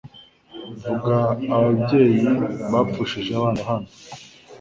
Vuga Ababyeyi Bapfushije abana hano